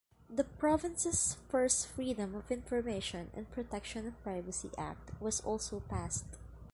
The province's first Freedom of Information and Protection of Privacy Act was also passed.